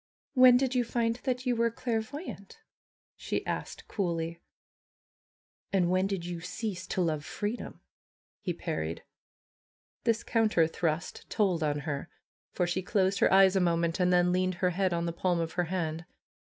^^When did you find that you were clairvoyant?" she asked coolly. ^^And when did you cease to love freedom?" he par ried. This counter thrust told on her, for she closed her eyes a moment and then leaned her head on the palm of her hand.